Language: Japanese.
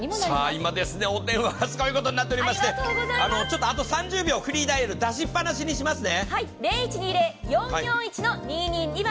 今、お電話がすごいことになってまして、あと３０秒、フリーダイヤル出しっぱなしにしますね。